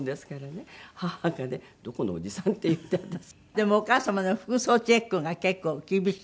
でもお母様の服装チェックが結構厳しい？